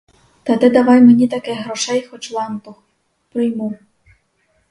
Та ти давай мені таких грошей хоч лантух — прийму.